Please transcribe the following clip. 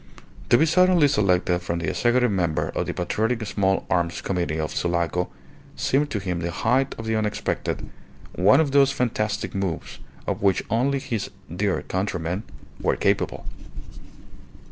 To be suddenly selected for the executive member of the patriotic small arms committee of Sulaco seemed to him the height of the unexpected, one of those fantastic moves of which only his "dear countrymen" were capable.